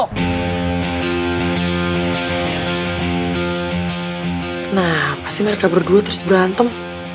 kenapa sih mereka berdua terus berantem